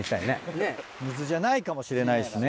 水じゃないかもしれないしね。